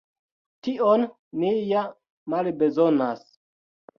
Tion ni ja malbezonas.